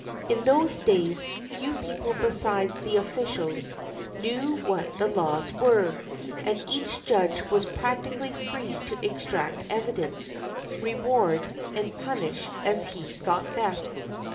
In those days few people besides the officials knew what the laws were, and each judge was practically free to extract evidence, reward, and punish as he thought best.